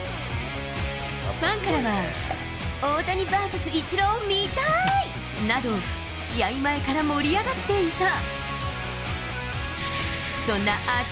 ファンからは、大谷ＶＳイチロー見たいなど、試合前から盛り上がっていた。